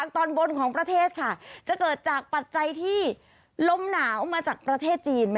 ตอนบนของประเทศค่ะจะเกิดจากปัจจัยที่ลมหนาวมาจากประเทศจีน